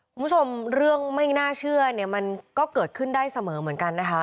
คุณผู้ชมเรื่องไม่น่าเชื่อเนี่ยมันก็เกิดขึ้นได้เสมอเหมือนกันนะคะ